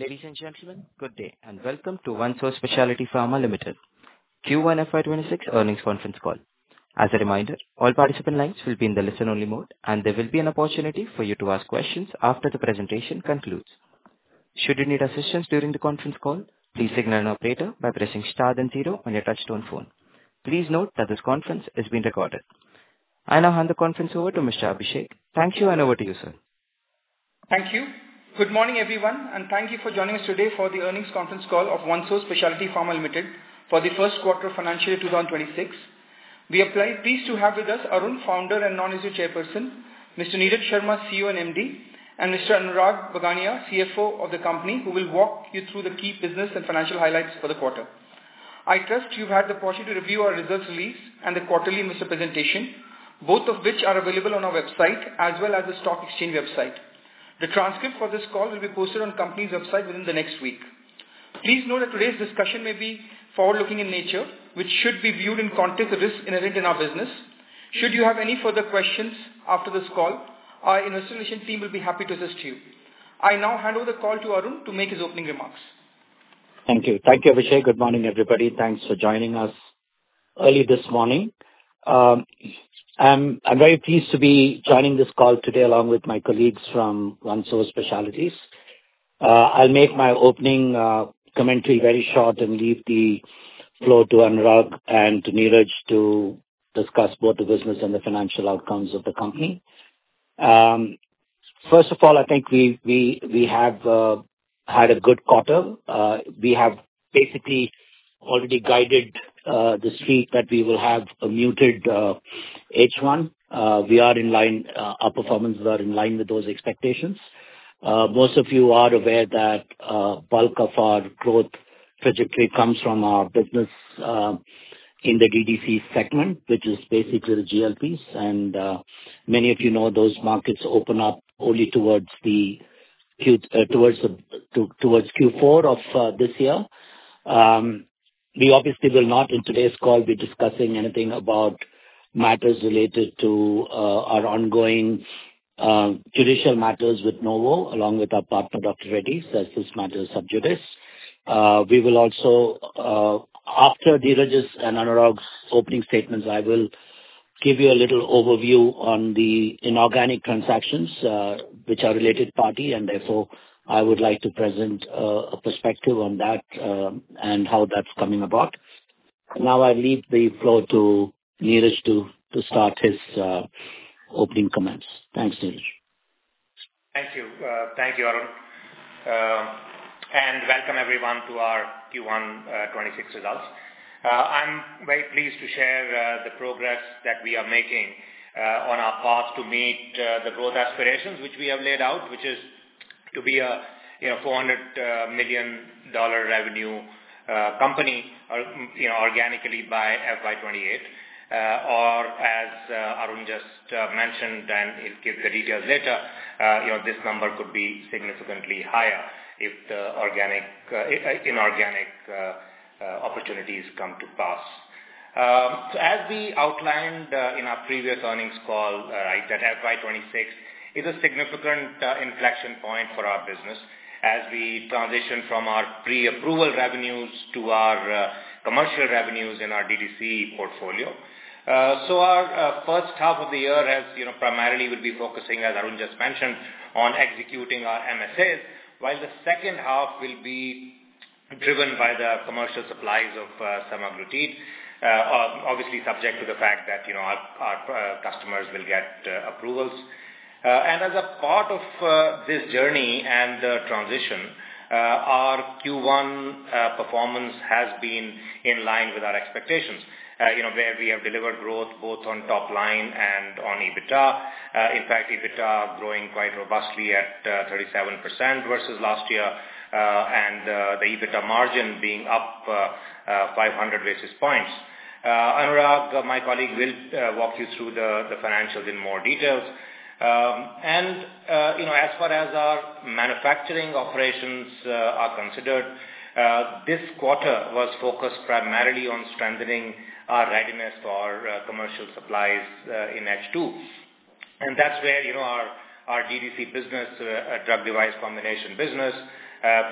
Ladies and gentlemen, good day and welcome to OneSource Specialty Pharma Limited Q1 FY 2026 earnings conference call. As a reminder, all participant lines will be in the listen-only mode and there will be an opportunity for you to ask questions after the presentation concludes. Should you need assistance during the conference call, please signal an operator by pressing star then zero on your touch-tone phone. Please note that this conference is being recorded. I now hand the conference over to Mr. Abhishek. Thank you and over to you, sir. Thank you. Good morning, everyone. Thank you for joining us today for the earnings conference call of OneSource Specialty Pharma Limited for the first quarter of FY 2026. We are very pleased to have with us Arun, Founder and Non-Executive Chairperson, Mr. Neeraj Sharma, CEO and MD, and Mr. Anurag Bagaria, CFO of the company, who will walk you through the key business and financial highlights for the quarter. I trust you've had the pleasure to review our results release and the quarterly investor presentation, both of which are available on our website as well as the stock exchange website. The transcript for this call will be posted on the company's website within the next week. Please note that today's discussion may be forward-looking in nature, which should be viewed in context with risk inherent in our business. Should you have any further questions after this call, our investor relation team will be happy to assist you. I now hand over the call to Arun to make his opening remarks. Thank you, Abhishek. Good morning, everybody. Thanks for joining us early this morning. I'm very pleased to be joining this call today along with my colleagues from OneSource Specialties. I'll make my opening commentary very short and leave the floor to Anurag and to Neeraj to discuss both the business and the financial outcomes of the company. I think we have had a good quarter. We have basically already guided this week that we will have a muted H1. Our performances are in line with those expectations. Most of you are aware that bulk of our growth trajectory comes from our business in the DDC segment, which is basically the GLPs. Many of you know, those markets open up only towards Q4 of this year. We obviously will not, in today's call, be discussing anything about matters related to our ongoing judicial matters with Novo, along with our partner, Dr. Reddy's, as this matter is sub judice. After Neeraj's and Anurag's opening statements, I will give you a little overview on the inorganic transactions, which are related party, and therefore, I would like to present a perspective on that and how that's coming about. Now I leave the floor to Neeraj to start his opening comments. Thanks, Neeraj. Thank you, Arun, and welcome everyone to our Q1 2026 results. I'm very pleased to share the progress that we are making on our path to meet the growth aspirations which we have laid out, which is to be a INR 400 million revenue company organically by FY 2028. As Arun just mentioned, and he'll give the details later, this number could be significantly higher if the inorganic opportunities come to pass. As we outlined in our previous earnings call, that FY 2026 is a significant inflection point for our business as we transition from our pre-approval revenues to our commercial revenues in our DDC portfolio. Our first half of the year primarily will be focusing, as Arun just mentioned, on executing our MSAs, while the second half will be driven by the commercial supplies of semaglutide, obviously subject to the fact that our customers will get approvals. As a part of this journey and the transition, our Q1 performance has been in line with our expectations where we have delivered growth both on top line and on EBITDA. In fact, EBITDA growing quite robustly at 37% versus last year and the EBITDA margin being up 500 basis points. Anurag, my colleague, will walk you through the financials in more details. As far as our manufacturing operations are considered, this quarter was focused primarily on strengthening our readiness for commercial supplies in H2. That's where our DDC business, drug-device combination business,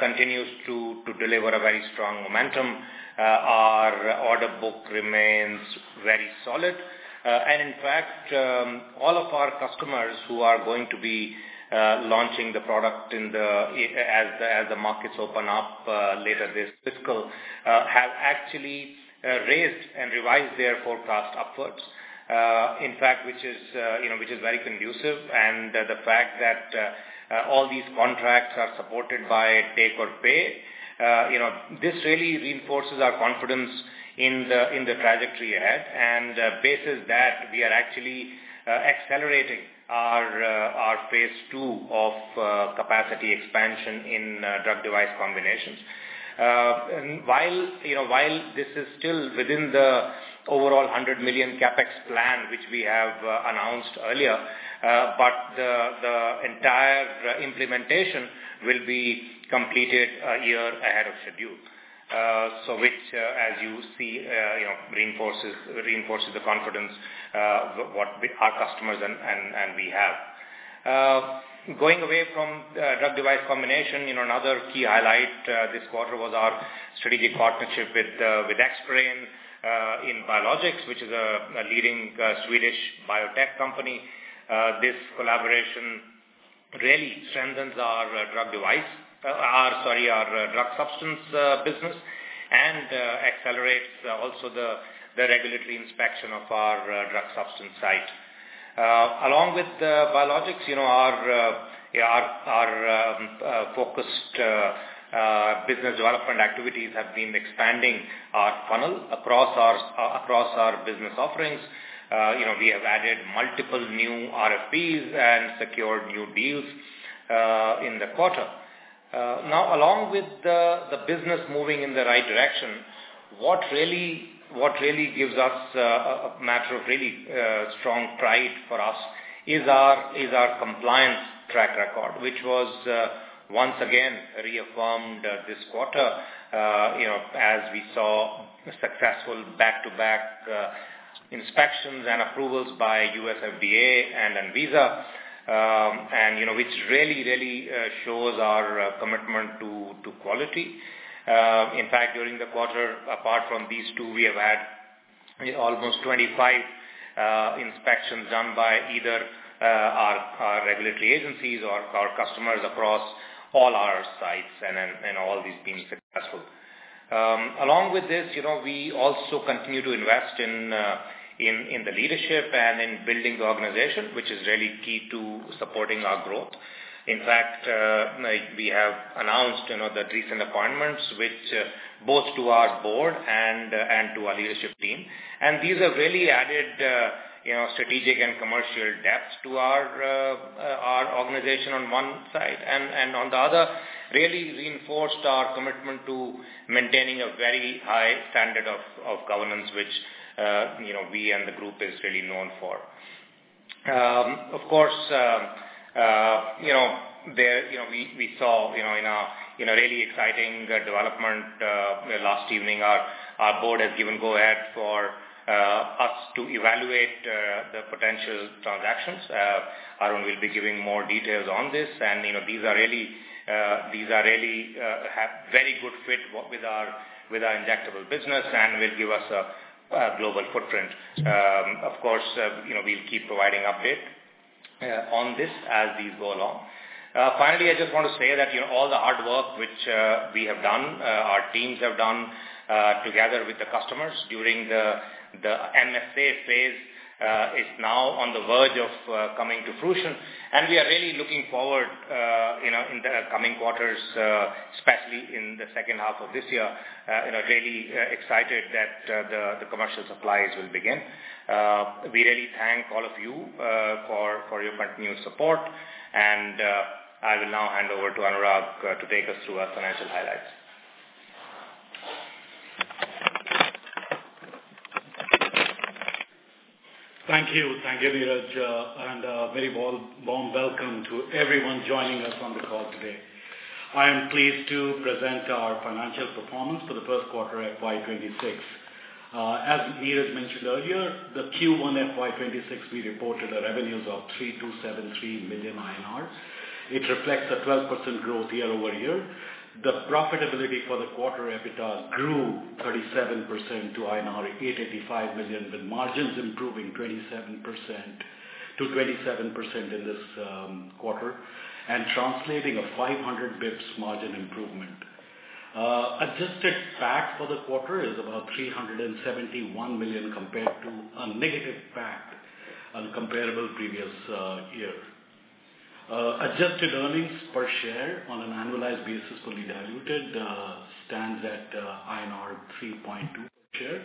continues to deliver a very strong momentum. Our order book remains very solid. In fact, all of our customers who are going to be launching the product as the markets open up later this fiscal have actually raised and revised their forecast upwards. In fact, which is very conducive, and the fact that all these contracts are supported by take-or-pay. This really reinforces our confidence in the trajectory ahead and bases that we are actually accelerating our phase 2 of capacity expansion in drug-device combinations. While this is still within the overall 100 million CapEx plan which we have announced earlier, but the entire implementation will be completed a year ahead of schedule. Which as you see reinforces the confidence our customers and we have. Going away from drug-device combination, another key highlight this quarter was our strategic partnership with Xbrane in Biologics, which is a leading Swedish biotech company. This collaboration really strengthens our drug substance business and accelerates also the regulatory inspection of our drug substance site. Along with the Biologics, our focused business development activities have been expanding our funnel across our business offerings. We have added multiple new RFPs and secured new deals in the quarter. Along with the business moving in the right direction, what really gives us a matter of really strong pride for us is our compliance track record, which was once again reaffirmed this quarter as we saw successful back-to-back inspections and approvals by US FDA and ANVISA, which really shows our commitment to quality. In fact, during the quarter, apart from these two, we have had almost 25 inspections done by either our regulatory agencies or our customers across all our sites, all these being successful. Along with this, we also continue to invest in the leadership and in building the organization, which is really key to supporting our growth. In fact, we have announced the recent appointments, which both to our board and to our leadership team. These have really added strategic and commercial depth to our organization on one side, and on the other, really reinforced our commitment to maintaining a very high standard of governance, which we and the group is really known for. Of course, we saw in a really exciting development last evening, our board has given go-ahead for us to evaluate the potential transactions. Arun will be giving more details on this, these really have very good fit with our injectable business and will give us a global footprint. Of course, we'll keep providing update on this as we go along. Finally, I just want to say that all the hard work which we have done, our teams have done together with the customers during the MSA phase is now on the verge of coming to fruition, and we are really looking forward in the coming quarters, especially in the second half of this year, really excited that the commercial supplies will begin. We really thank all of you for your continued support, and I will now hand over to Anurag to take us through our financial highlights. Thank you, Neeraj. A very warm welcome to everyone joining us on the call today. I am pleased to present our financial performance for the first quarter FY 2026. As Neeraj mentioned earlier, the Q1 FY 2026, we reported the revenues of 3,273,000 INR. It reflects a 12% growth year-over-year. The profitability for the quarter EBITDA grew 37% to INR 885 million, with margins improving 27% to 27% in this quarter, translating a 500 bps margin improvement. Adjusted PAT for the quarter is about 371 million compared to a negative PAT on comparable previous year. Adjusted earnings per share on an annualized basis, fully diluted, stands at INR 3.2 per share.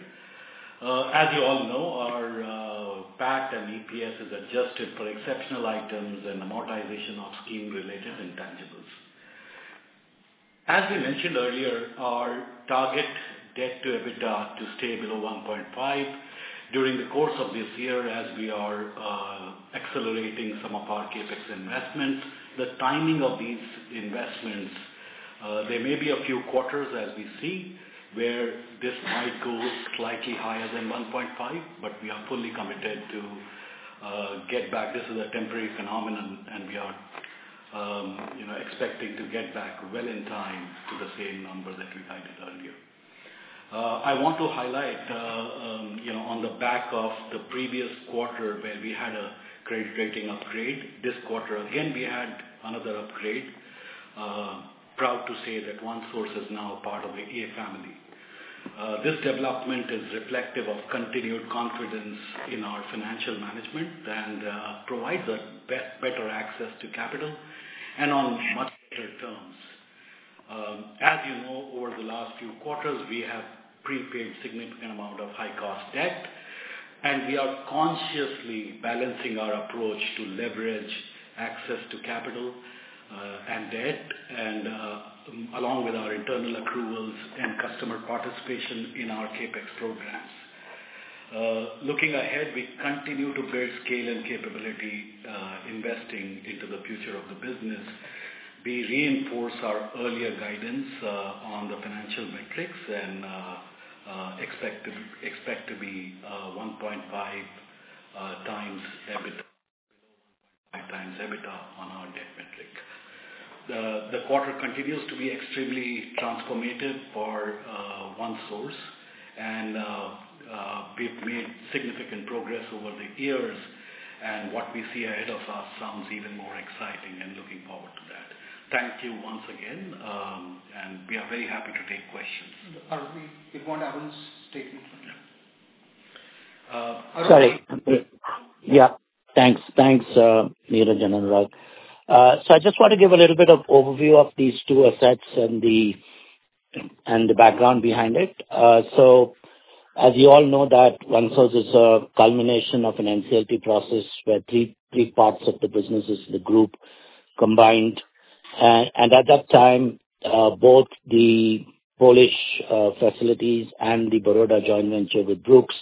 As you all know, our PAT and EPS is adjusted for exceptional items and amortization of scheme-related intangibles. As we mentioned earlier, our target debt to EBITDA to stay below 1.5 during the course of this year as we are accelerating some of our CapEx investments. The timing of these investments there may be a few quarters as we see where this might go slightly higher than 1.5, but we are fully committed to get back. This is a temporary phenomenon, we are expecting to get back well in time to the same number that we guided earlier. I want to highlight on the back of the previous quarter where we had a credit rating upgrade, this quarter again, we had another upgrade. Proud to say that OneSource is now a part of the AA family. This development is reflective of continued confidence in our financial management and provides a better access to capital and on much better terms. As you know, over the last few quarters, we have prepaid significant amount of high-cost debt, we are consciously balancing our approach to leverage access to capital and debt along with our internal accruals and customer participation in our CapEx programs. Looking ahead, we continue to build scale and capability, investing into the future of the business. We reinforce our earlier guidance on the financial metrics and expect to be 1.5 times EBITDA on our debt metric. The quarter continues to be extremely transformative for OneSource, we've made significant progress over the years, what we see ahead of us sounds even more exciting looking forward to that. Thank you once again, we are very happy to take questions. You want Arun's statement? Yeah. Arun. Sorry. Yeah. Thanks, Niranjan and Raghav. I just want to give a little bit of overview of these two assets and the background behind it. As you all know that OneSource is a culmination of an NCLT process where three parts of the businesses, the group combined. At that time, both the Polish facilities and the Baroda joint venture with Brooks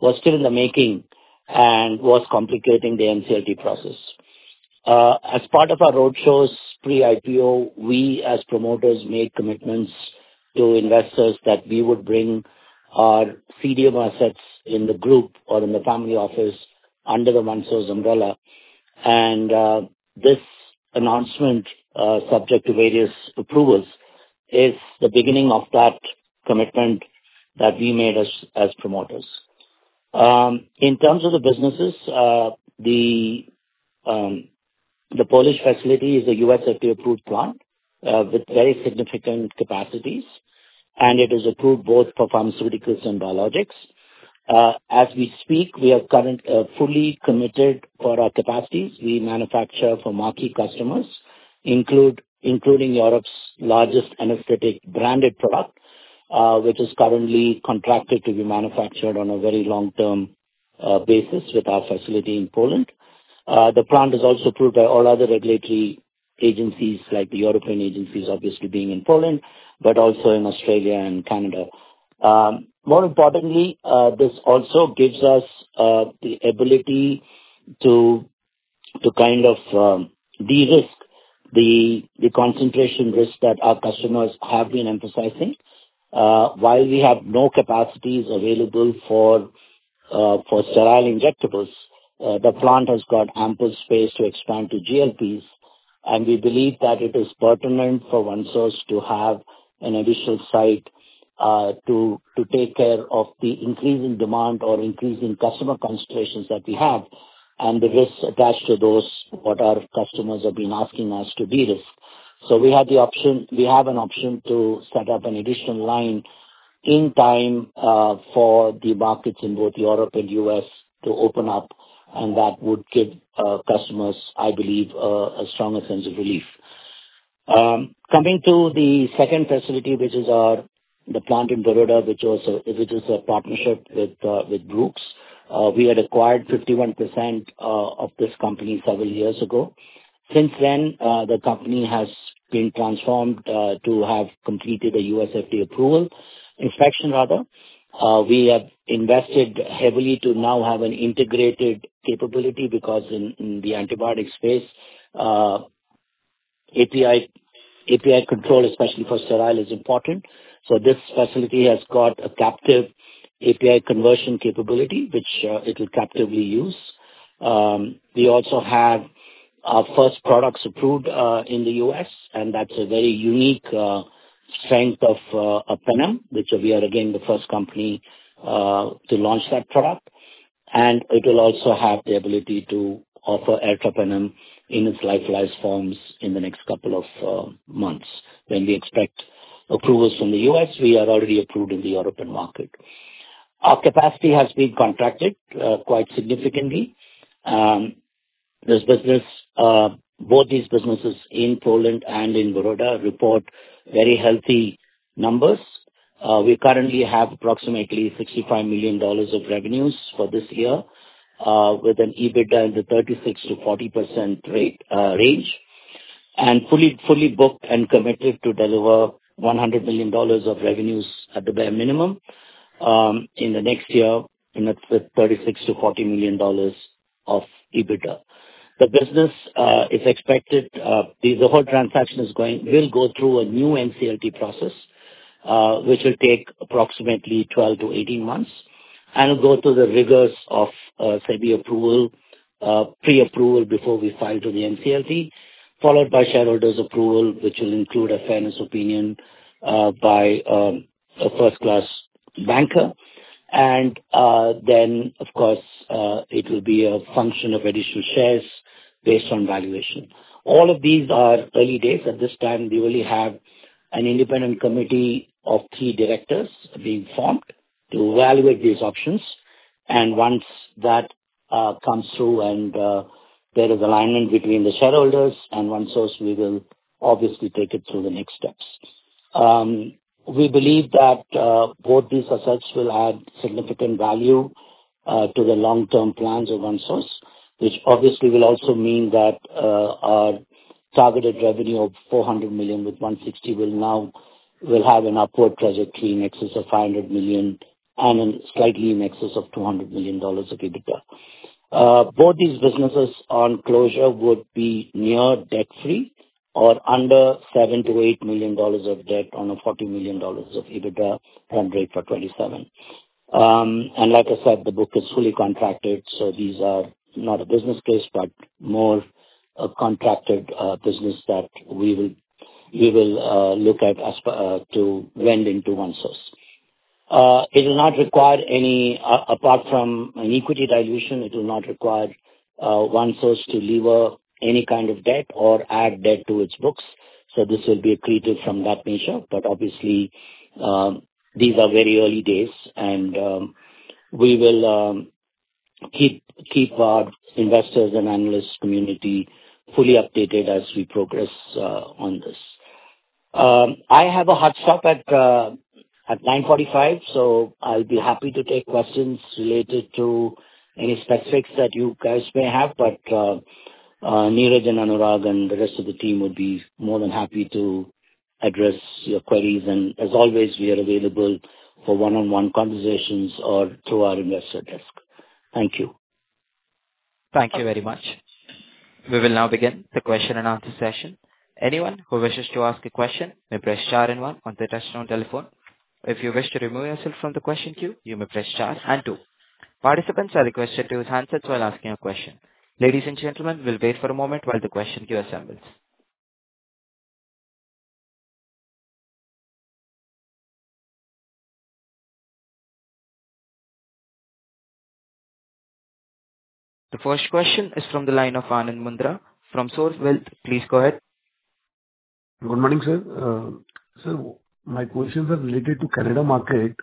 was still in the making and was complicating the NCLT process. As part of our roadshows pre-IPO, we, as promoters, made commitments to investors that we would bring our CDMO assets in the group or in the family office under the OneSource umbrella. This announcement, subject to various approvals, is the beginning of that commitment that we made as promoters. In terms of the businesses, the Polish facility is a US FDA-approved plant with very significant capacities, and it is approved both for pharmaceuticals and biologics. As we speak, we are currently fully committed for our capacities. We manufacture for marquee customers, including Europe's largest anesthetic branded product, which is currently contracted to be manufactured on a very long-term basis with our facility in Poland. The plant is also approved by all other regulatory agencies like the European agencies, obviously being in Poland, but also in Australia and Canada. More importantly, this also gives us the ability to de-risk the concentration risk that our customers have been emphasizing. While we have no capacities available for sterile injectables, the plant has got ample space to expand to GLPs, and we believe that it is pertinent for OneSource to have an additional site, to take care of the increasing demand or increasing customer concentrations that we have and the risks attached to those, what our customers have been asking us to de-risk. We have an option to set up an additional line in time for the markets in both Europe and U.S. to open up, and that would give customers, I believe, a stronger sense of relief. Coming to the second facility, which is the plant in Baroda, which is a partnership with Brooks. We had acquired 51% of this company several years ago. Since then, the company has been transformed to have completed a US FDA approval, inspection rather. We have invested heavily to now have an integrated capability because in the antibiotic space, API control, especially for sterile, is important. This facility has got a captive API conversion capability, which it will captively use. We also have our first products approved in the U.S., and that's a very unique strength of penems, which we are again the first company to launch that product. It will also have the ability to offer ertapenem in its lyophilized forms in the next couple of months. When we expect approvals from the U.S., we are already approved in the European market. Our capacity has been contracted quite significantly. Both these businesses in Poland and in Baroda report very healthy numbers. We currently have approximately INR 65 million of revenues for this year, with an EBITDA in the 36%-40% range, and fully booked and committed to deliver INR 100 million of revenues at the bare minimum in the next year, and that's with INR 36 million-INR 40 million of EBITDA. The whole transaction will go through a new NCLT process, which will take approximately 12-18 months and go through the rigors of SEBI pre-approval before we file to the NCLT, followed by shareholders' approval, which will include a fairness opinion by a first-class banker. Then, of course, it will be a function of additional shares based on valuation. All of these are early days. At this time, we only have an independent committee of key directors being formed to evaluate these options. Once that comes through and there is alignment between the shareholders and OneSource, we will obviously take it through the next steps. We believe that both these assets will add significant value to the long-term plans of OneSource, which obviously will also mean that our targeted revenue of 400 million with 160 million will have an upward trajectory in excess of 500 million and slightly in excess of INR 200 million of EBITDA. Both these businesses on closure would be near debt-free or under INR 7 million-INR 8 million of debt on a INR 40 million of EBITDA handrail for 2027. Like I said, the book is fully contracted, so these are not a business case, but more a contracted business that we will look at as to vend into OneSource. Apart from an equity dilution, it will not require OneSource to lever any kind of debt or add debt to its books. This will be accretive from that nature. Obviously, these are very early days and we will keep our investors and analyst community fully updated as we progress on this. I have a hard stop at 9:45 A.M., so I will be happy to take questions related to any specifics that you guys may have, but Neeraj and Anurag and the rest of the team would be more than happy to address your queries. As always, we are available for one-on-one conversations or through our investor desk. Thank you. Thank you very much. We will now begin the question and answer session. Anyone who wishes to ask a question may press star and one on the touchtone telephone. If you wish to remove yourself from the question queue, you may press star and two. Participants are requested to use handsets while asking a question. Ladies and gentlemen, we will wait for a moment while the question queue assembles. The first question is from the line of Anand Mandara from Source Wealth. Please go ahead. Good morning, sir. My questions are related to Canada market.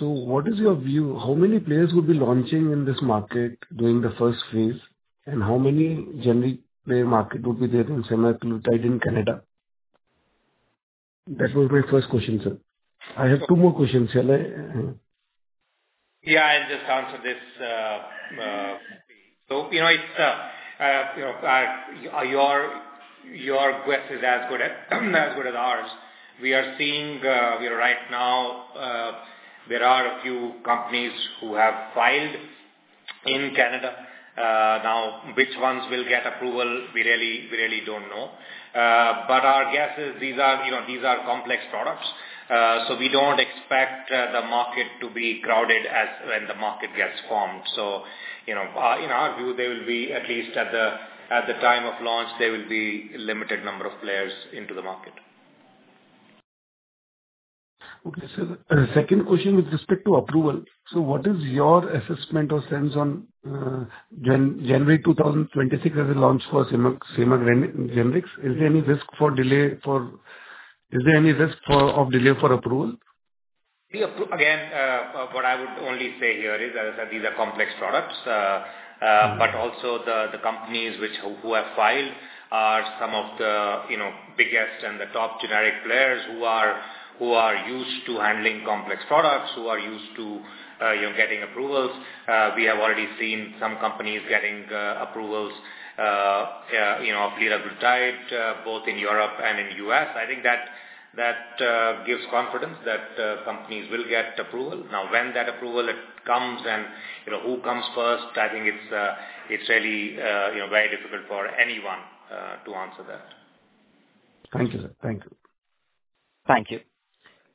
What is your view? How many players would be launching in this market during the first phase? How many generic player market would be there in semaglutide in Canada? That was my first question, sir. I have two more questions. I'll just answer this. Your guess is as good as ours. We are seeing right now there are a few companies who have filed in Canada. Which ones will get approval, we really don't know. Our guess is these are complex products, so we don't expect the market to be crowded when the market gets formed. In our view, there will be, at least at the time of launch, there will be a limited number of players into the market. Okay, sir. Second question with respect to approval. What is your assessment or sense on January 2026, as a launch for semaglutide generics? Is there any risk of delay for approval? Again, what I would only say here is that these are complex products. Also the companies who have filed are some of the biggest and the top generic players who are used to handling complex products, who are used to getting approvals. We have already seen some companies getting approvals of liraglutide, both in Europe and in U.S. I think that gives confidence that companies will get approval. When that approval comes and who comes first, I think it's really very difficult for anyone to answer that. Thank you, sir. Thank you. Thank you.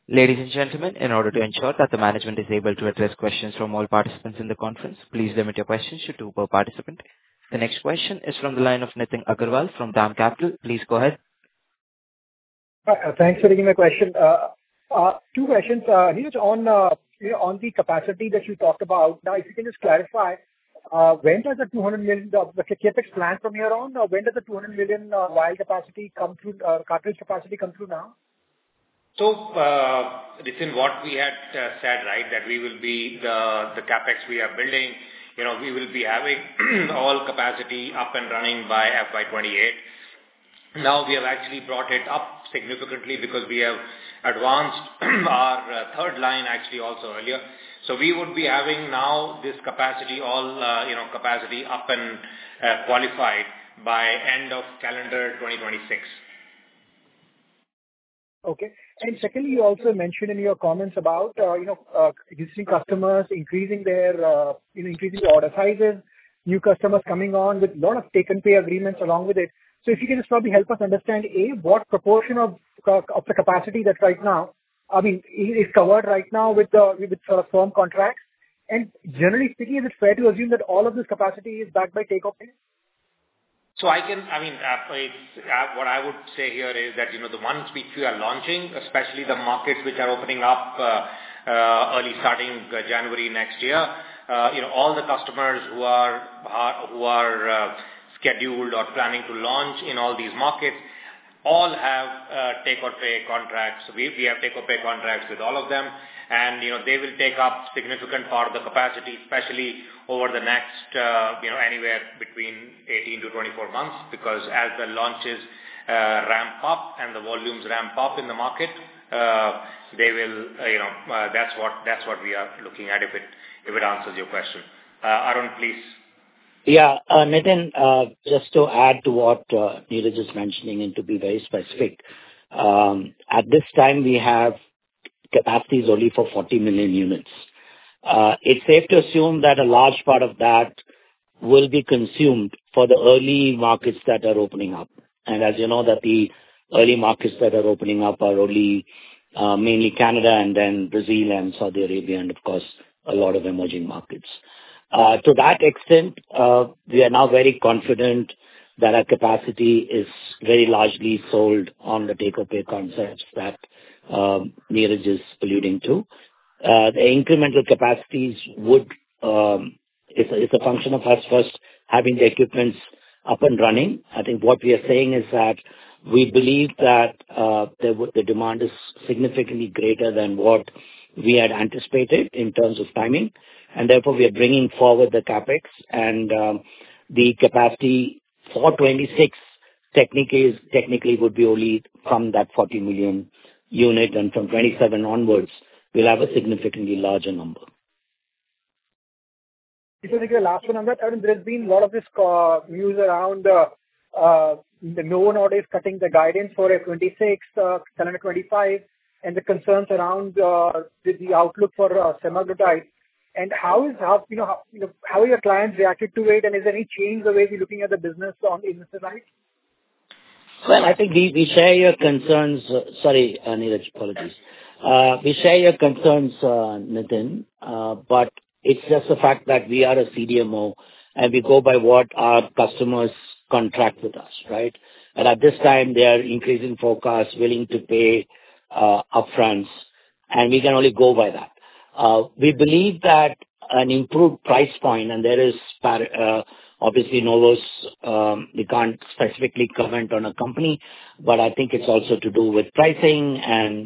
Ladies and gentlemen, in order to ensure that the management is able to address questions from all participants in the conference, please limit your questions to two per participant. The next question is from the line of Nitin Agarwal from DAM Capital. Please go ahead. Thanks for taking my question. Two questions. Neeraj, on the capacity that you talked about. If you can just clarify, when does the 200 million of the CapEx plan from your end, or when does the 200 million vial capacity, cartridge capacity come through now? Within what we had said, right? That the CapEx we are building, we will be having all capacity up and running by FY 2028. We have actually brought it up significantly because we have advanced our third line actually also earlier. We would be having now this capacity all up and qualified by end of calendar 2026. Okay. Secondly, you also mentioned in your comments about existing customers increasing their order sizes, new customers coming on with lot of take-or-pay agreements along with it. If you can just probably help us understand, A, what proportion of the capacity that's right now, I mean, is covered right now with the sort of firm contracts. And generally speaking, is it fair to assume that all of this capacity is backed by take-or-pay? What I would say here is that, the ones which we are launching, especially the markets which are opening up early starting January next year, all the customers who are scheduled or planning to launch in all these markets all have take-or-pay contracts. We have take-or-pay contracts with all of them. They will take up significant part of the capacity, especially over the next anywhere between 18 to 24 months, because as the launches ramp up and the volumes ramp up in the market, that's what we are looking at, if it answers your question. Arun, please. Nitin, just to add to what Neeraj is mentioning, and to be very specific. At this time, we have capacities only for 40 million units. It's safe to assume that a large part of that will be consumed for the early markets that are opening up. As you know, that the early markets that are opening up are only mainly Canada and then Brazil and Saudi Arabia, and of course, a lot of emerging markets. To that extent, we are now very confident that our capacity is very largely sold on the take-or-pay concept that Neeraj is alluding to. The incremental capacities is a function of us first having the equipments up and running. I think what we are saying is that we believe that the demand is significantly greater than what we had anticipated in terms of timing, and therefore, we are bringing forward the CapEx and the capacity for 2026 technically would be only from that 40 million unit, and from 2027 onwards, we'll have a significantly larger number. This will be the last one on that, Arun. There's been a lot of this news around the Novo Nordisk cutting the guidance for 2026, selling 2025, and the concerns around the outlook for semaglutide. How have your clients reacted to it, and is there any change the way we're looking at the business from I think we share your concerns. Sorry, Neeraj, apologies. We share your concerns, Nitin, but it's just the fact that we are a CDMO and we go by what our customers contract with us, right? At this time, they are increasing forecast, willing to pay upfront, and we can only go by that. We believe that an improved price point, and there is, obviously, Novos, we can't specifically comment on a company, but I think it's also to do with pricing and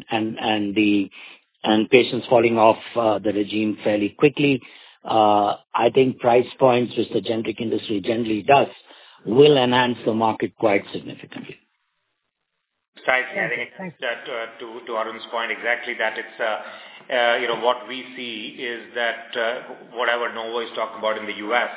patients falling off the regime fairly quickly. I think price points, which the generic industry generally does, will enhance the market quite significantly. Right. Thanks. To Arun's point, exactly, what we see is that whatever Novo is talking about in the U.S.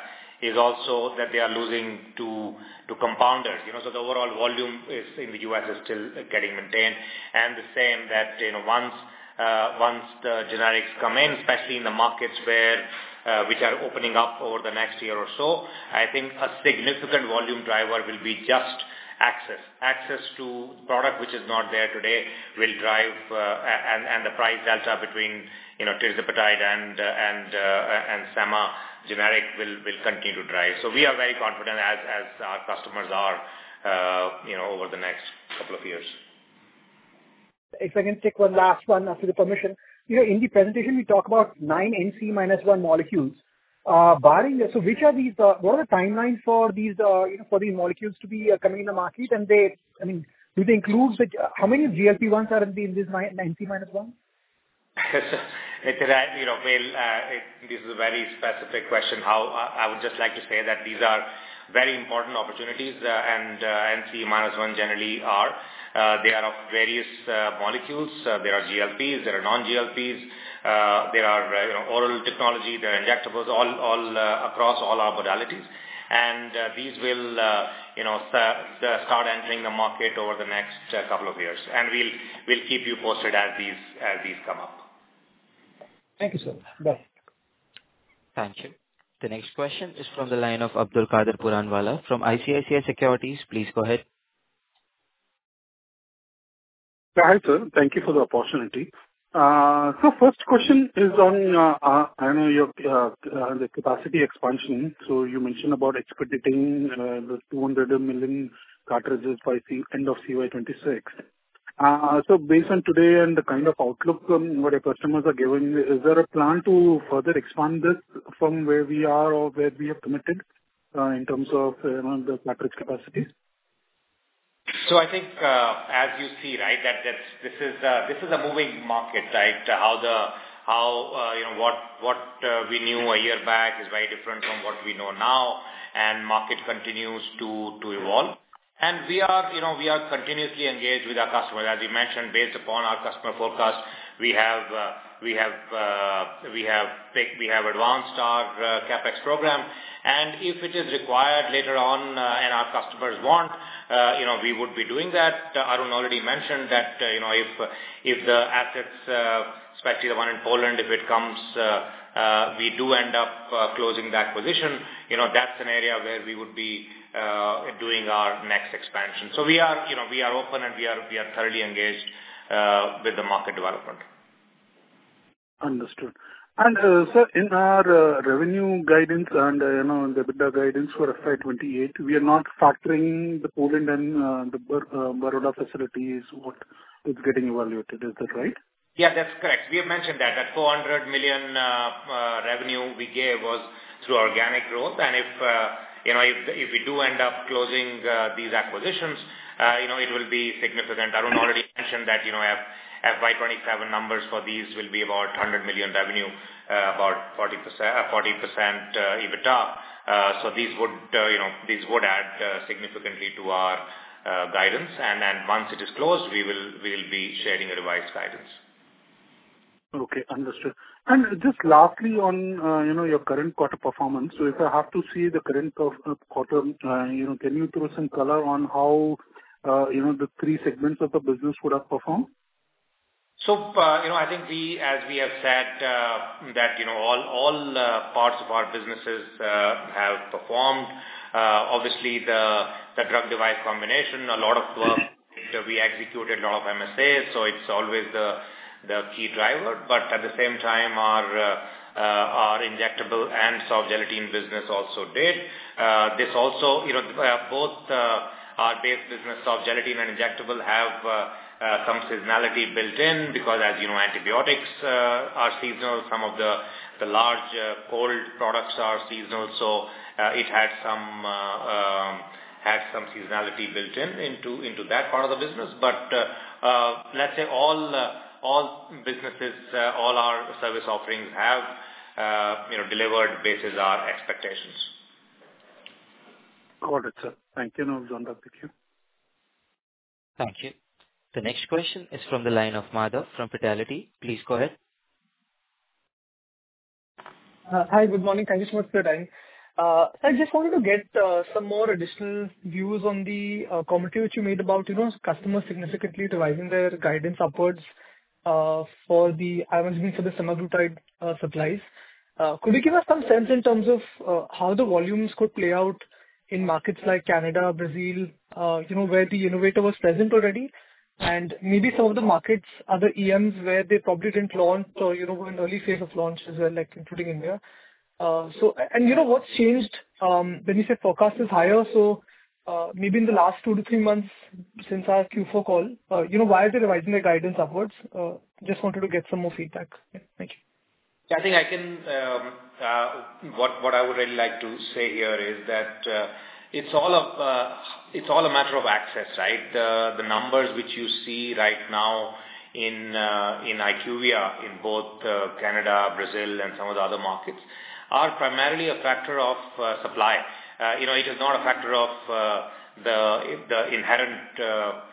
is also that they are losing two compounders. The overall volume in the U.S. is still getting maintained and the same that once the generics come in, especially in the markets which are opening up over the next year or so, I think a significant volume driver will be just access. Access to product which is not there today will drive and the price delta between tirzepatide and sema generic will continue to drive. We are very confident as our customers are over the next couple of years. If I can take one last one after the permission. In the presentation, you talk about nine NCE-1 molecules. Barring this, what are the timelines for these molecules to be coming in the market? How many GLP-1s are in these NCE-1? This is a very specific question. I would just like to say that these are very important opportunities, and NCE-1 generally are. They are of various molecules. There are GLPs, there are non-GLPs. There are oral technology, there are injectables all across all our modalities. These will start entering the market over the next couple of years and we'll keep you posted as these come up. Thank you, sir. Bye. Thank you. The next question is from the line of Abdul Kader Pooranwala from ICICI Securities. Please go ahead. Hi, sir. Thank you for the opportunity. First question is on the capacity expansion. You mentioned about expediting the 200 million cartridges by end of CY 2026. Based on today and the kind of outlook from what your customers are giving, is there a plan to further expand this from where we are or where we have committed in terms of the cartridge capacities? I think as you see, right, that this is a moving market, right? What we knew a year back is very different from what we know now and market continues to evolve. We are continuously engaged with our customers. As we mentioned, based upon our customer forecast, we have advanced our CapEx program and if it is required later on and our customers want, we would be doing that. Arun already mentioned that if the assets, especially the one in Poland, if it comes, we do end up closing the acquisition, that's an area where we would be doing our next expansion. We are open and we are thoroughly engaged with the market development. Understood. Sir, in our revenue guidance and the EBITDA guidance for FY 2028, we are not factoring the Poland and the Baroda facilities, what is getting evaluated, is that right? Yeah, that's correct. We have mentioned that. That 400 million revenue we gave was through organic growth and if we do end up closing these acquisitions, it will that FY 2027 numbers for these will be about 100 million revenue, about 40% EBITDA. These would add significantly to our guidance and then once it is closed, we will be sharing a revised guidance. Okay, understood. Just lastly on your current quarter performance. If I have to see the current quarter, can you throw a color on how the three segments of the business would have performed? I think as we have said, that all parts of our businesses have performed. Obviously, the drug-device combination, a lot of work, we executed a lot of MSAs, so it's always the key driver. At the same time, our injectable and soft gelatin business also did. Both our base business, soft gelatin and injectable, have some seasonality built in because as you know, antibiotics are seasonal, some of the large cold products are seasonal. It had some seasonality built in into that part of the business. Let's say all businesses, all our service offerings have delivered basis our expectations. Got it, sir. Thank you. Now I'll join the queue. Thank you. The next question is from the line of Madha from Fidelity. Please go ahead. Hi, good morning. Thank you so much for your time. I just wanted to get some more additional views on the commentary which you made about customers significantly revising their guidance upwards for the semaglutide supplies. Could you give us some sense in terms of how the volumes could play out in markets like Canada, Brazil, where the innovator was present already, and maybe some of the markets, other EMs where they probably didn't launch or who are in early phase of launch as well, like including India. What's changed, when you say forecast is higher, so maybe in the last two to three months since our Q4 call, why are they revising their guidance upwards? Just wanted to get some more feedback. Yeah, thank you. What I would really like to say here is that it's all a matter of access, right? The numbers which you see right now in IQVIA in both Canada, Brazil, and some of the other markets are primarily a factor of supply. It is not a factor of the inherent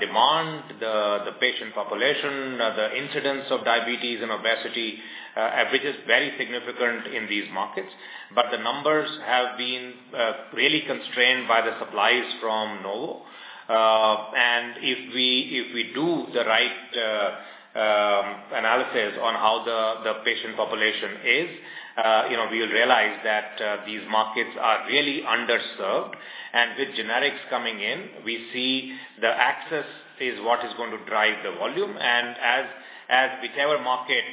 demand, the patient population, the incidence of diabetes and obesity, which is very significant in these markets. The numbers have been really constrained by the supplies from Novo. If we do the right analysis on how the patient population is, we will realize that these markets are really underserved. With generics coming in, we see the access is what is going to drive the volume. As whichever market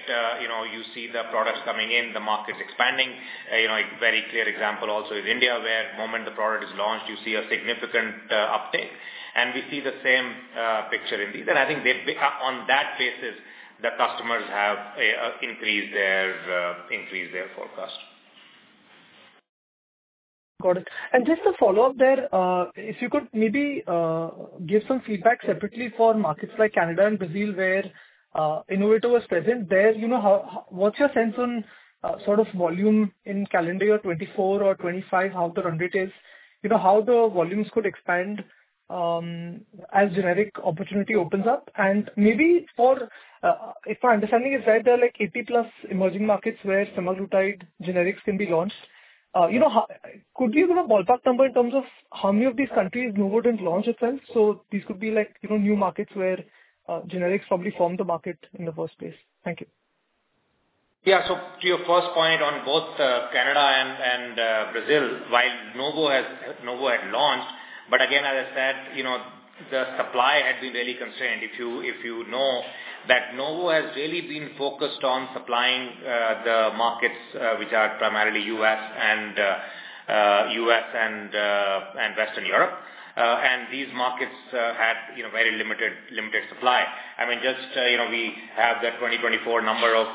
you see the products coming in, the market's expanding. A very clear example also is India, where the moment the product is launched, you see a significant uptick, and we see the same picture in these. I think on that basis, the customers have increased their forecast. Got it. Just a follow-up there, if you could maybe give some feedback separately for markets like Canada and Brazil, where innovator was present there. What's your sense on sort of volume in calendar year 2024 or 2025, how the run rate is, how the volumes could expand as generic opportunity opens up? Maybe, if my understanding is right, there are 80+ emerging markets where semaglutide generics can be launched. Could you give a ballpark number in terms of how many of these countries Novo didn't launch itself? These could be new markets where generics probably form the market in the first place. Thank you. Yeah. To your first point on both Canada and Brazil, while Novo had launched, but again, as I said, the supply had been really constrained. If you know that Novo has really been focused on supplying the markets which are primarily U.S. and Western Europe. These markets had very limited supply. We have that 2024 number of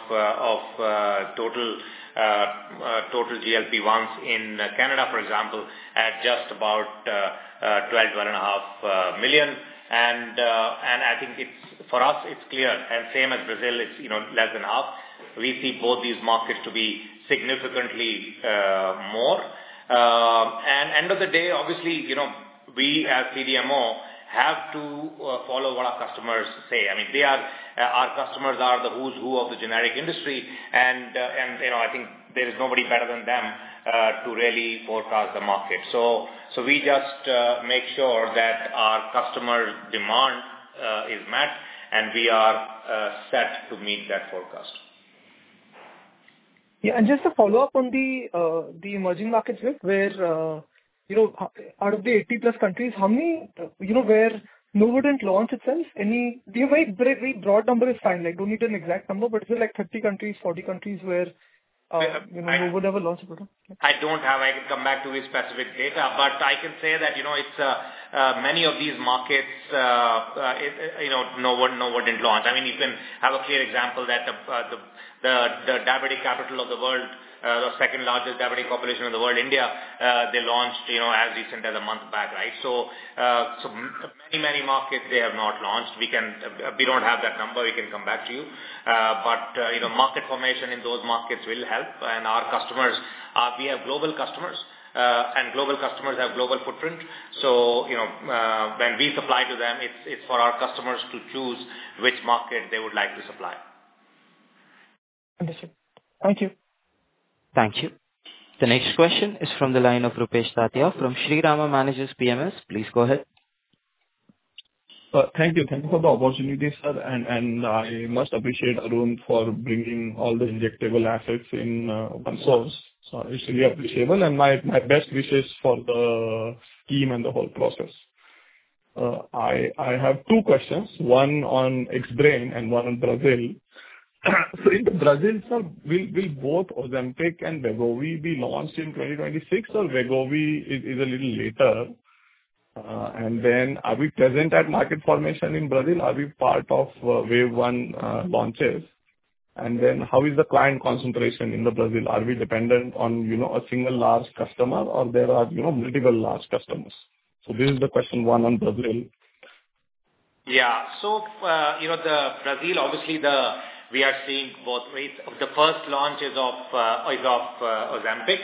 total GLP-1s in Canada, for example, at just about 12.5 million. I think for us, it's clear, and same as Brazil, it's less than half. We see both these markets to be significantly more. End of the day, obviously, we as CDMO have to follow what our customers say. Our customers are the who's who of the generic industry and I think there is nobody better than them to really forecast the market. We just make sure that our customer demand is met, and we are set to meet that forecast. Yeah. Just a follow-up on the emerging markets bit where out of the 80+ countries, how many where Novo didn't launch itself? A very broad number is fine. Don't need an exact number, but is it like 30 countries, 40 countries where Novo never launched product? I don't have. I can come back to you with specific data, but I can say that many of these markets Novo didn't launch. You can have a clear example that The diabetic capital of the world, the second-largest diabetic population in the world, India, they launched as recent as a month back. Many markets they have not launched. We don't have that number. We can come back to you. Market formation in those markets will help and our customers. We have global customers, and global customers have global footprint. When we supply to them, it's for our customers to choose which market they would like to supply. Understood. Thank you. Thank you. The next question is from the line of Rupesh Tatya from Shriram Asset Management. Please go ahead. Thank you. Thank you for the opportunity, sir. I must appreciate Arun for bringing all the injectable assets in OneSource. It's really appreciable, and my best wishes for the team and the whole process. I have two questions, one on Xbrane and one on Brazil. In Brazil, sir, will both Ozempic and Wegovy be launched in 2026 or Wegovy is a little later? Are we present at market formation in Brazil? Are we part of wave one launches? How is the client concentration in Brazil? Are we dependent on a single large customer or there are multiple large customers? This is the question one on Brazil. Brazil, obviously, we are seeing both waves. The first launch is of Ozempic.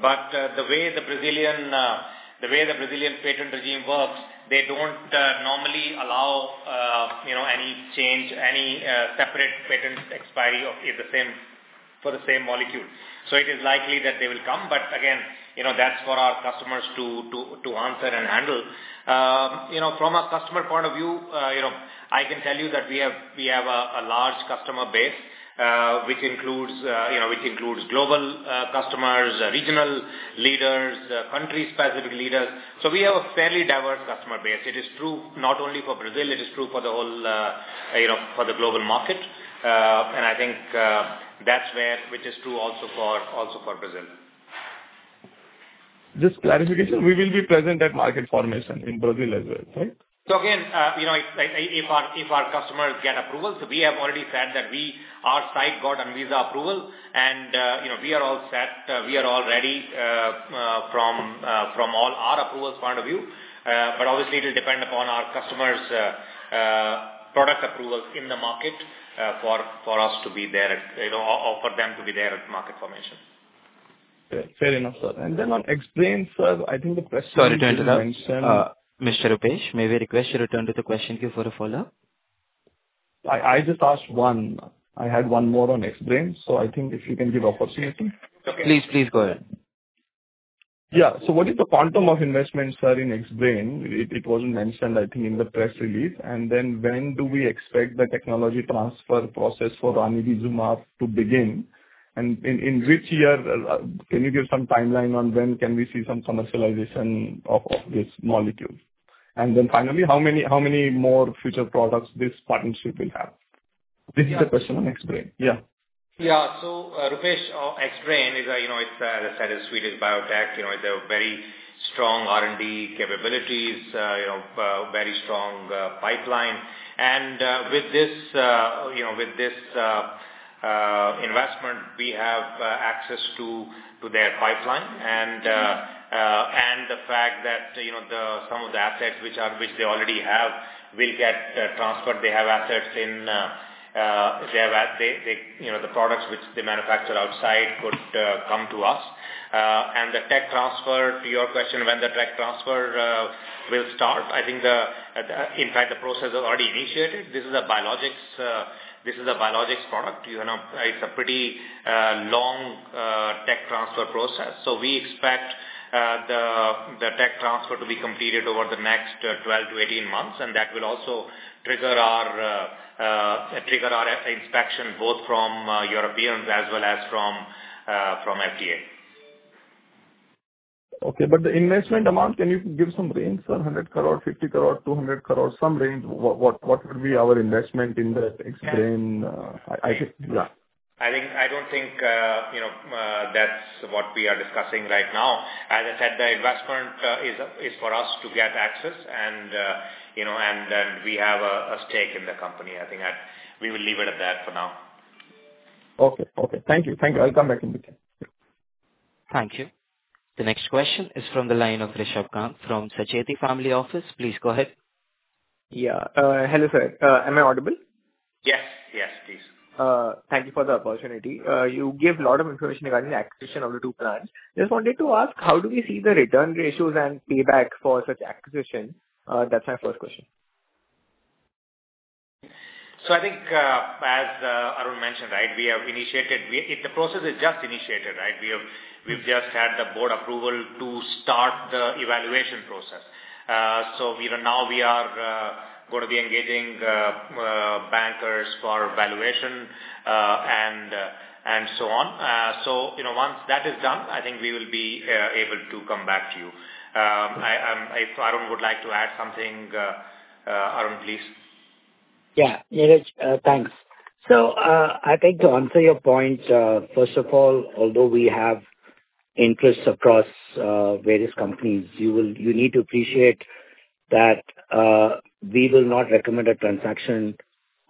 The way the Brazilian patent regime works, they don't normally allow any change, any separate patent expiry for the same molecule. It is likely that they will come, but again, that's for our customers to answer and handle. From a customer point of view, I can tell you that we have a large customer base, which includes global customers, regional leaders, country-specific leaders. We have a fairly diverse customer base. It is true not only for Brazil, it is true for the global market. I think, which is true also for Brazil. Just clarification, we will be present at market formation in Brazil as well, right? Again, if our customers get approval. We have already said that our site got ANVISA approval and we are all set. We are all ready from all our approvals point of view. Obviously, it'll depend upon our customers' product approvals in the market for us to be there, or for them to be there at market formation. Okay. Fair enough, sir. Then on Xbrane, sir. Sorry to interrupt. Mr. Rupesh, may I request you return to the question queue for the follow-up? I just asked one. I had one more on Xbrane, I think if you can give opportunity. Okay. Please go ahead. Yeah. What is the quantum of investments, sir, in Xbrane? It wasn't mentioned, I think, in the press release. When do we expect the technology transfer process for ranibizumab to begin? In which year, can you give some timeline on when can we see some commercialization of this molecule? Finally, how many more future products this partnership will have? This is the question on Xbrane. Yeah. Yeah. Rupesh, Xbrane, as I said, it's a Swedish biotech, it's a very strong R&D capabilities, very strong pipeline. With this investment, we have access to their pipeline and the fact that some of the assets which they already have will get transferred. They have assets in the products which they manufacture outside could come to us. The tech transfer, to your question, when the tech transfer will start, I think, in fact, the process has already initiated. This is a biologics product. It's a pretty long tech transfer process. We expect the tech transfer to be completed over the next 12-18 months, and that will also trigger our inspection, both from Europeans as well as from FDA. Okay. The investment amount, can you give some range, sir? 100 crore, 50 crore, 200 crore, some range. What would be our investment in the Xbrane? I don't think that's what we are discussing right now. As I said, the investment is for us to get access and we have a stake in the company. I think we will leave it at that for now. Okay. Thank you. I'll come back in the queue. Thank you. The next question is from the line of Rishabh Kant from Sacheti Family Office. Please go ahead. Yeah. Hello, sir. Am I audible? Yes, please. Thank you for the opportunity. You gave a lot of information regarding the acquisition of the two plants. I just wanted to ask, how do we see the return ratios and payback for such acquisition? That's my first question. I think, as Arun mentioned, the process is just initiated. We've just had the board approval to start the evaluation process. Now we are going to be engaging bankers for valuation and so on. Once that is done, I think we will be able to come back to you. If Arun would like to add something. Arun, please. Neeraj, thanks. I think to answer your point, first of all, although we have interests across various companies. You need to appreciate that we will not recommend a transaction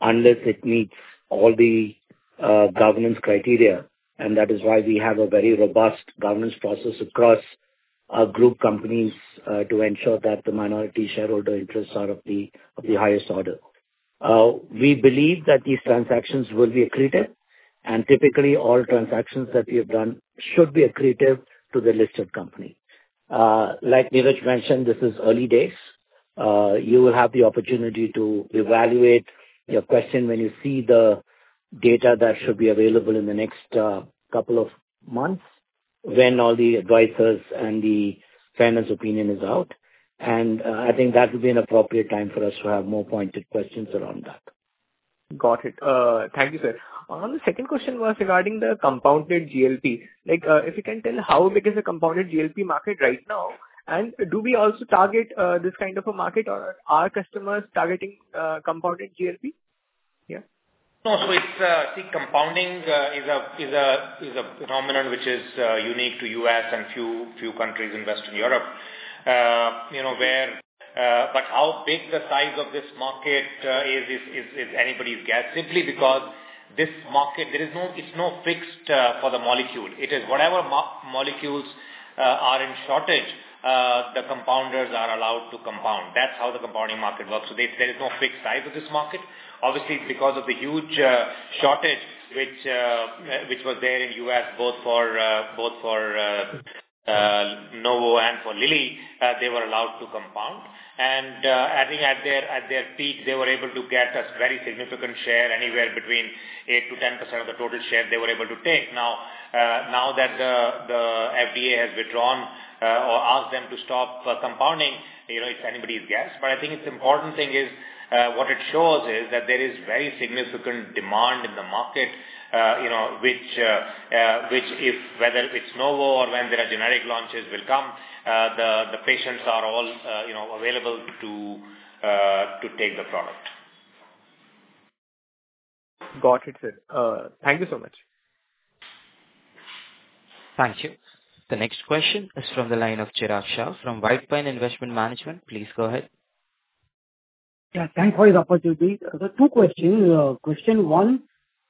unless it meets all the governance criteria and that is why we have a very robust governance process across our group companies to ensure that the minority shareholder interests are of the highest order. We believe that these transactions will be accretive and typically all transactions that we have done should be accretive to the listed company. Like Neeraj mentioned, this is early days. You will have the opportunity to evaluate your question when you see the data that should be available in the next couple of months, when all the advisors and the fairness opinion is out. I think that would be an appropriate time for us to have more pointed questions around that. Got it. Thank you, sir. The second question was regarding the compounded GLP. If you can tell how big is the compounded GLP market right now, and do we also target this kind of a market or are customers targeting compounded GLP? Yeah. No. See, compounding is a phenomenon which is unique to U.S. and few countries in Western Europe. How big the size of this market is anybody's guess. Simply because this market, it's not fixed for the molecule. It is whatever molecules are in shortage, the compounders are allowed to compound. That's how the compounding market works. There is no fixed size of this market. Obviously, it's because of the huge shortage which was there in U.S. both for Novo and for Lilly, they were allowed to compound. I think at their peak, they were able to get a very significant share, anywhere between 8%-10% of the total share they were able to take. Now that the FDA has withdrawn or asked them to stop compounding, it's anybody's guess. I think it's important thing is, what it shows is that there is very significant demand in the market, whether it's Novo or when there are generic launches will come, the patients are all available to take the product. Got it, sir. Thank you so much. Thank you. The next question is from the line of Chirag Shah from White Pine Investment Management. Please go ahead. Yeah. Thanks for this opportunity. There are two questions. Question one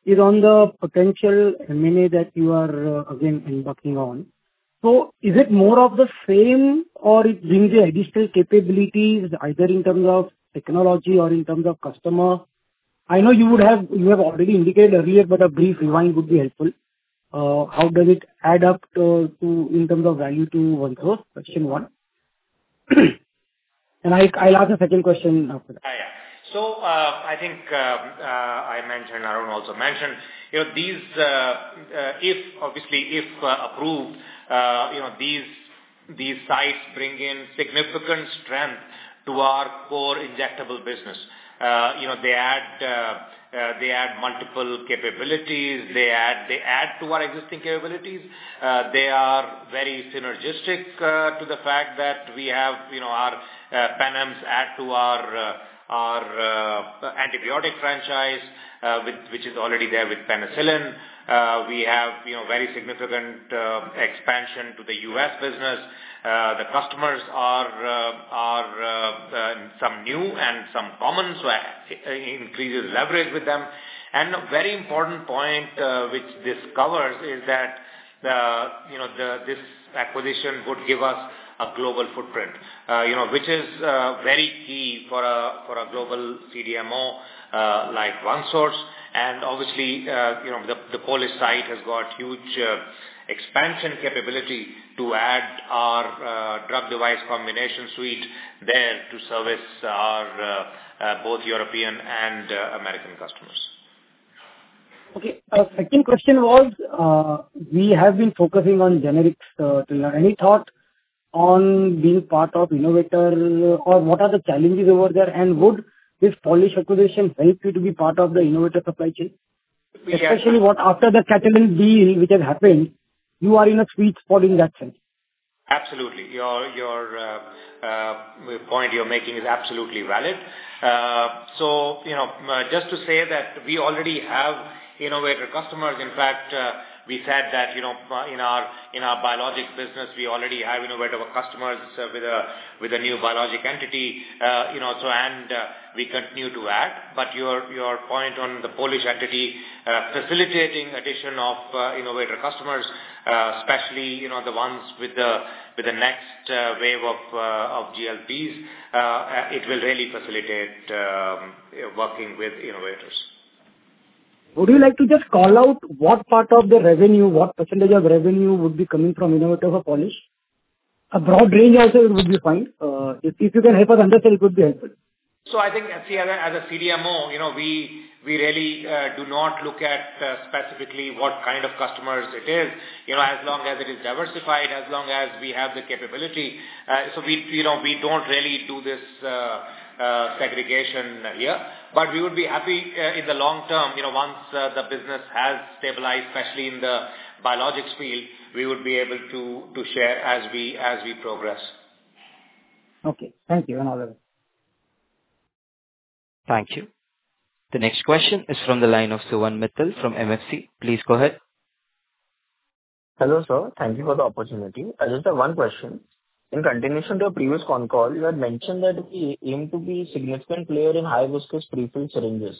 is on the potential M&A that you are again embarking on. Is it more of the same or it brings an additional capability, either in terms of technology or in terms of customer? I know you have already indicated earlier, but a brief rewind would be helpful. How does it add up in terms of value to OneSource? Question one. I'll ask the second question after that. Yeah. I think I mentioned, Arun also mentioned, obviously, if approved these sites bring in significant strength to our core injectable business. They add multiple capabilities. They add to our existing capabilities. They are very synergistic to the fact that we have our penems add to our antibiotic franchise which is already there with penicillin. We have very significant expansion to the U.S. business. The customers are some new and some common, increases leverage with them. A very important point which this covers is that this acquisition would give us a global footprint which is very key for a global CDMO like OneSource. Obviously, the Polish site has got huge expansion capability to add our drug-device combination suite there to service our, both European and American customers. Okay. Second question was, we have been focusing on generics. Any thought on being part of innovator or what are the challenges over there, and would this Polish acquisition help you to be part of the innovator supply chain? Especially after the Catalent deal which has happened, you are in a sweet spot in that sense. Absolutely. The point you are making is absolutely valid. Just to say that we already have innovator customers. In fact, we said that in our biologics business, we already have innovator customers with a new biologic entity and we continue to add. Your point on the Polish entity facilitating addition of innovator customers, especially the ones with the next wave of GLP-1s, it will really facilitate working with innovators. Would you like to just call out what part of the revenue, what % of revenue would be coming from innovator for Polish? A broad range also would be fine. If you can help us understand, it would be helpful. I think as a CDMO, we really do not look at specifically what kind of customers it is, as long as it is diversified, as long as we have the capability. We don't really do this segregation here. We would be happy in the long term, once the business has stabilized, especially in the biologics field, we would be able to share as we progress. Okay. Thank you. All the best. Thank you. The next question is from the line of Suvan Mittal from MFC. Please go ahead. Hello, sir. Thank you for the opportunity. I just have one question. In continuation to your previous con call, you had mentioned that we aim to be a significant player in high-viscous prefilled syringes.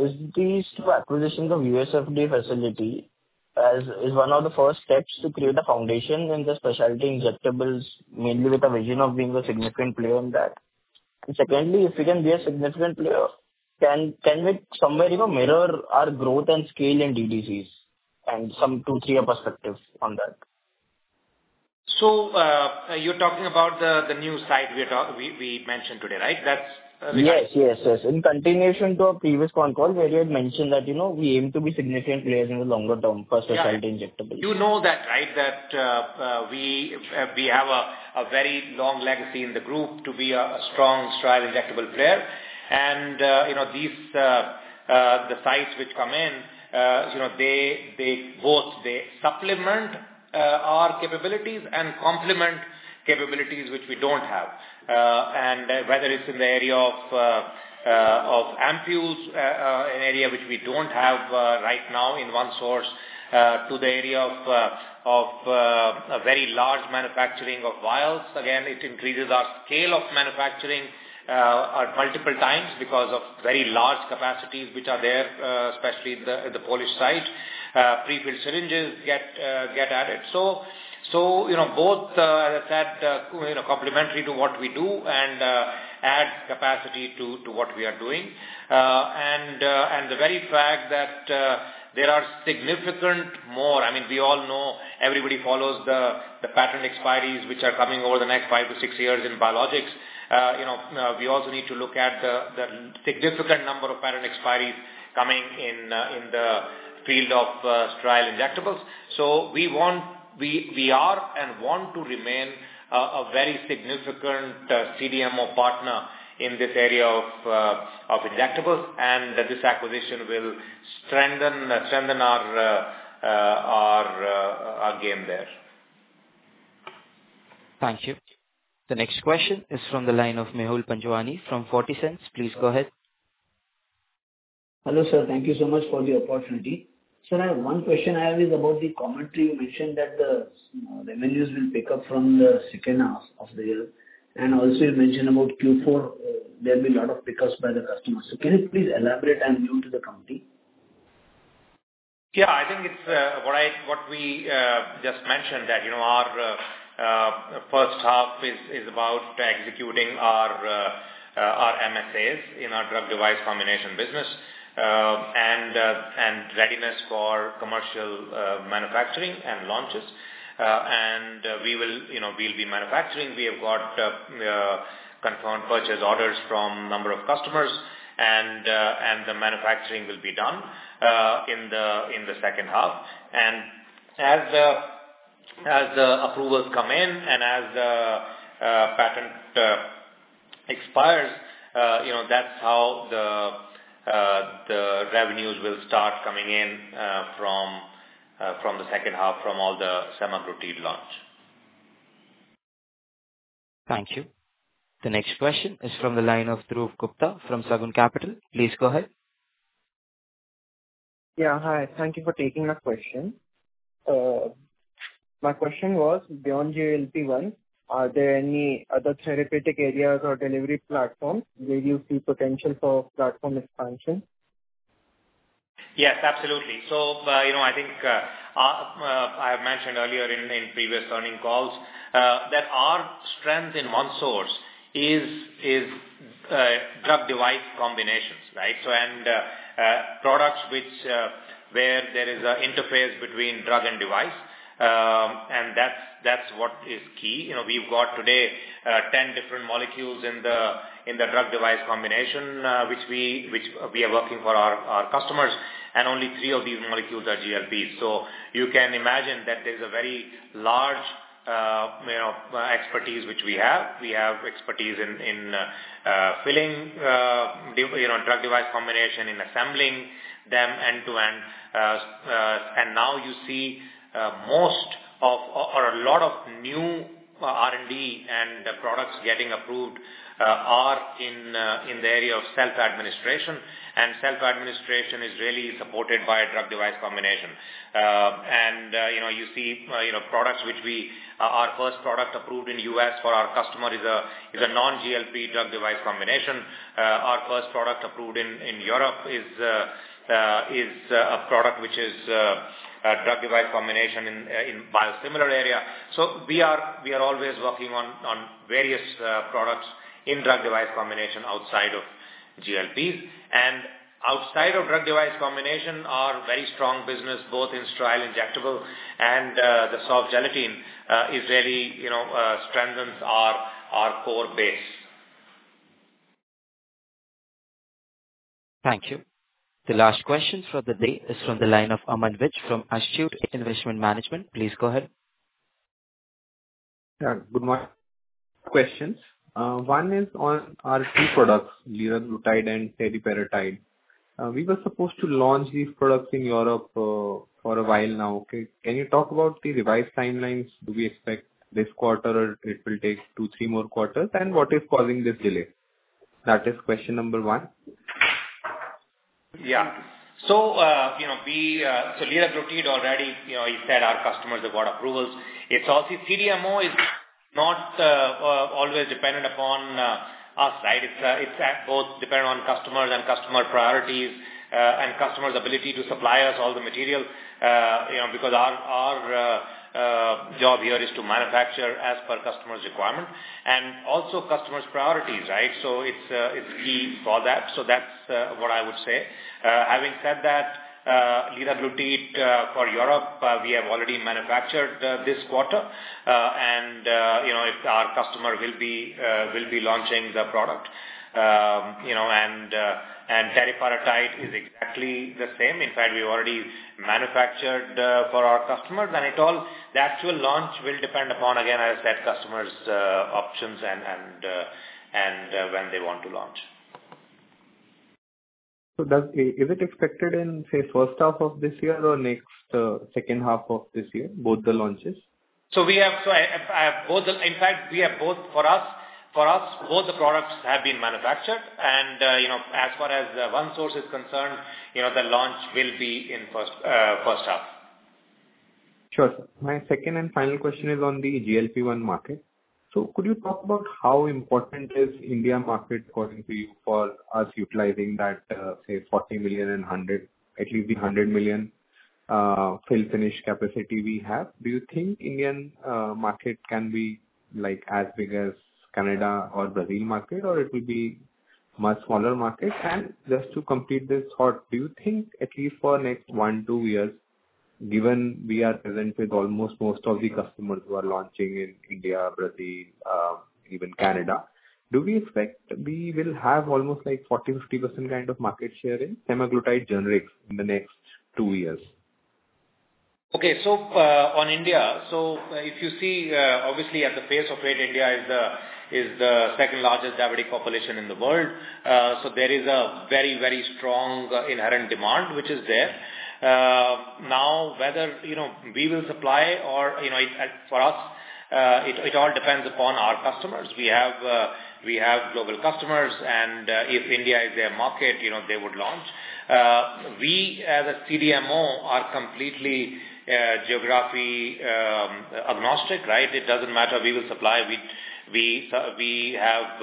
Is these two acquisitions of US FDA facility, is one of the first steps to create a foundation in the specialty injectables, mainly with a vision of being a significant player in that. Secondly, if we can be a significant player, can we somewhere mirror our growth and scale in DDCs and some two, three perspectives on that? You're talking about the new site we mentioned today, right? Yes. In continuation to our previous con call, where you had mentioned that, we aim to be significant players in the longer term for specialty injectables. You know that, right, that we have a very long legacy in the group to be a strong sterile injectable player and the sites which come in, both they supplement our capabilities and complement capabilities which we don't have. Whether it's in the area of ampules, an area which we don't have right now in OneSource, to the area of a very large manufacturing of vials. Again, it increases our scale of manufacturing at multiple times because of very large capacities which are there, especially the Polish site. Pre-filled syringes get added. Both, as I said, complementary to what we do and adds capacity to what we are doing. The very fact that there are significant more, I mean, we all know, everybody follows the pattern expiries which are coming over the next five to six years in biologics. We also need to look at the significant number of pattern expiries coming in the field of sterile injectables. We are and want to remain a very significant CDMO partner in this area of injectables, and this acquisition will strengthen our game there. Thank you. The next question is from the line of Mehul Panjwani from Fortisents. Please go ahead. Hello, sir. Thank you so much for the opportunity. Sir, I have one question I have is about the commentary you mentioned that the revenues will pick up from the second half of the year, and also you mentioned about Q4, there will be a lot of pickups by the customers. Can you please elaborate? I'm new to the company. I think what we just mentioned that our first half is about executing our MSAs in our drug-device combination business, and readiness for commercial manufacturing and launches. We'll be manufacturing. We have got confirmed purchase orders from number of customers and the manufacturing will be done in the second half. As approvals come in and as patent expires, that's how the revenues will start coming in from the second half from all the semaglutide launch. Thank you. The next question is from the line of Dhruv Gupta from Sagun Capital. Please go ahead. Hi. Thank you for taking our question. My question was, beyond GLP-1, are there any other therapeutic areas or delivery platforms where you see potential for platform expansion? Yes, absolutely. I think, I have mentioned earlier in previous earning calls, that our strength in OneSource is drug-device combinations, right? Products where there is an interface between drug and device. That's what is key. We've got today 10 different molecules in the drug-device combination which we are working for our customers, and only three of these molecules are GLP-1s. You can imagine that there's a very large expertise which we have. We have expertise in filling drug-device combination, in assembling them end-to-end. Now you see a lot of new R&D and products getting approved are in the area of self-administration, and self-administration is really supported by a drug-device combination. You see products which our first product approved in U.S. for our customer is a non-GLP drug-device combination. Our first product approved in Europe is a product which is a drug-device combination in biosimilar area. We are always working on various products in drug-device combination outside of GLP-1s. Outside of drug-device combination, our very strong business, both in sterile injectable and the soft gelatin, really strengthens our core base. Thank you. The last question for the day is from the line of Aman Vohra from Astute Investment Management. Please go ahead. Good morning. Two questions. One is on our two products, liraglutide and teriparatide. We were supposed to launch these products in Europe for a while now. Can you talk about the revised timelines? Do we expect this quarter or it will take two, three more quarters? What is causing this delay? That is question number 1. liraglutide already, you said our customers have got approvals. CDMO is not always dependent upon us. It's both dependent on customers and customer priorities, and customers' ability to supply us all the material, because our job here is to manufacture as per customers' requirement and also customers' priorities. It's key for that. That's what I would say. Having said that, liraglutide for Europe, we have already manufactured this quarter, and our customer will be launching the product. teriparatide is exactly the same. In fact, we've already manufactured for our customers and the actual launch will depend upon, again, as that customer's options and when they want to launch. Is it expected in, say, first half of this year or second half of this year, both the launches? For us, both the products have been manufactured and, as far as OneSource is concerned, the launch will be in first half. Sure, sir. My second and final question is on the GLP-1 market. Could you talk about how important is India market going to be for us utilizing that, say, 40 million and at least 100 million fill finish capacity we have? Do you think Indian market can be as big as Canada or Brazil market or it will be much smaller market? Just to complete this thought, do you think at least for next one, two years, given we are present with almost most of the customers who are launching in India, Brazil, even Canada, do we expect we will have almost 40%-50% kind of market share in semaglutide generics in the next two years? On India, if you see, obviously at the face of it, India is the second-largest diabetic population in the world. There is a very strong inherent demand which is there. Whether we will supply or For us, it all depends upon our customers. We have global customers and if India is their market, they would launch. We, as a CDMO, are completely geography-agnostic. It doesn't matter. We have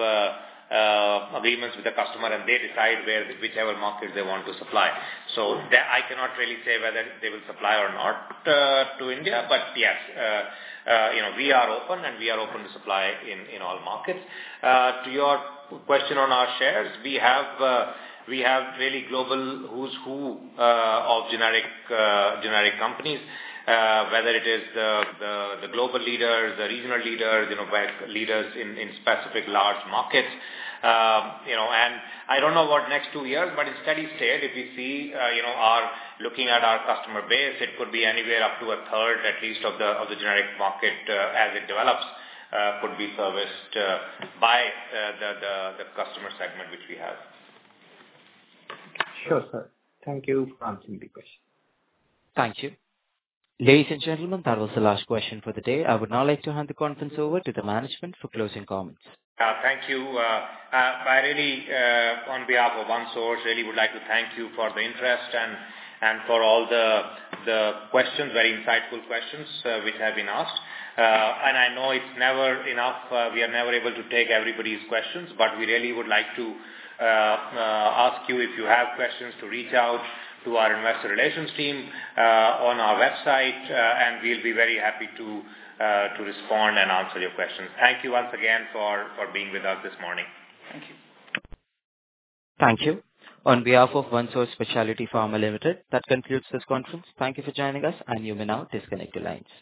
agreements with the customer, and they decide whichever market they want to supply. I cannot really say whether they will supply or not to India. Yes, we are open and we are open to supply in all markets. To your question on our shares, we have really global who's who of generic companies, whether it is the global leaders, the regional leaders in specific large markets. I don't know about next two years, but it's fairly said, if you see, looking at our customer base, it could be anywhere up to a third at least of the generic market as it develops could be serviced by the customer segment which we have. Sure, sir. Thank you for answering the question. Thank you. Ladies and gentlemen, that was the last question for the day. I would now like to hand the conference over to the management for closing comments. Thank you. On behalf of OneSource, really would like to thank you for the interest and for all the questions, very insightful questions which have been asked. I know it's never enough. We are never able to take everybody's questions, but we really would like to ask you, if you have questions, to reach out to our investor relations team on our website, and we'll be very happy to respond and answer your questions. Thank you once again for being with us this morning. Thank you. Thank you. On behalf of OneSource Specialty Pharma Limited, that concludes this conference. Thank you for joining us, and you may now disconnect your lines.